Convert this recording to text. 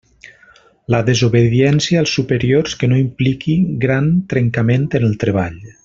La desobediència als superiors que no impliqui gran trencament en el treball.